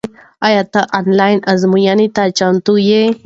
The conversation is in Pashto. آیا ته آنلاین ازموینې ته چمتو یې؟